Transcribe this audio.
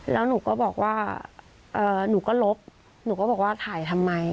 แล้วหนูก็บอกว่าหนูก็ลบหนูก็บอกว่าถ่ายทำไม